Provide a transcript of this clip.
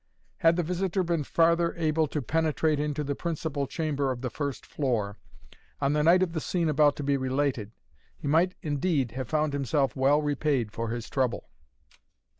Had the visitor been farther able to penetrate into the principal chamber of the first floor, on the night of the scene about to be related, he might indeed have found himself well repaid for his trouble.